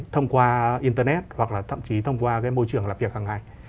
thông qua internet hoặc là thậm chí thông qua môi trường làm việc hàng ngày